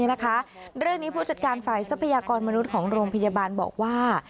เรื่องนี้ผู้จัดการฝ่ายทรัพยากรมนุษย์ของโรงพยาบาลบอกว่า